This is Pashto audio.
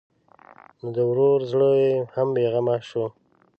نو د ورور زړه یې هم بېغمه شو.